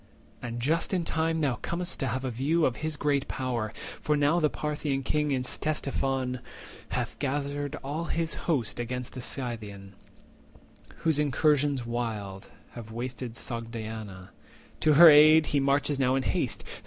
And just in time thou com'st to have a view Of his great power; for now the Parthian king In Ctesiphon hath gathered all his host 300 Against the Scythian, whose incursions wild Have wasted Sogdiana; to her aid He marches now in haste.